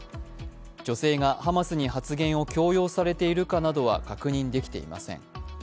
女性がハマスに発言を強要されているかなどは確認できていません。